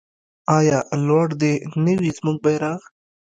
آیا لوړ دې نه وي زموږ بیرغ؟